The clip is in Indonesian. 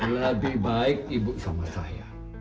lebih baik ibu sama saya